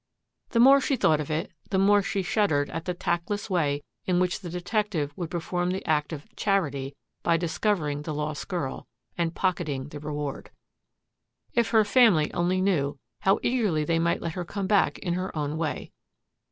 The more she thought of it, the more she shuddered at the tactless way in which the detective would perform the act of "charity" by discovering the lost girl and pocketing the reward. If her family only knew, how eagerly they might let her come back in her own way.